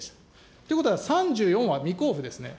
ということは３４は未交付ですね。